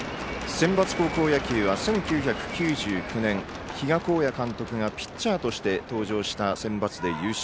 センバツ高校野球は１９９９年比嘉公也監督がピッチャーとして登場したセンバツで優勝。